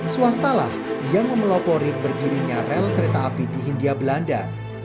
swastalah yang memelopori berdirinya rel kereta api di hindia belanda